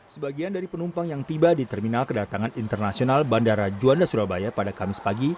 sebagian dari penumpang yang tiba di terminal kedatangan internasional bandara juanda surabaya pada kamis pagi